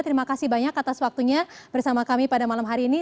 terima kasih banyak atas waktunya bersama kami pada malam hari ini